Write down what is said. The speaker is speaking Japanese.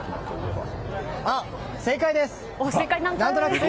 正解です。